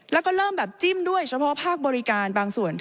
แล้วก็เริ่มแบบจิ้มด้วยเฉพาะภาคบริการบางส่วน